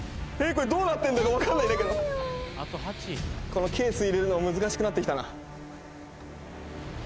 これどうなってんだか分かんないんだけどこのケース入れるのも難しくなってきたな